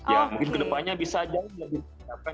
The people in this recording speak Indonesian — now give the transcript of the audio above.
ya mungkin kedepannya bisa aja